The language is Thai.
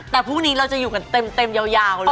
แต่พรุ่งนี้เราจะอยู่กันเต็มยาวเลย